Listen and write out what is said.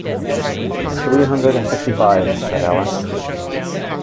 ‘Three hundred and sixty-five,’ said Alice.